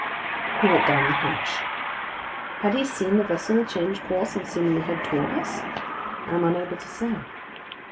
He went down the hatch. Had he seen that vessel change course and seemingly head toward us? I'm unable to say.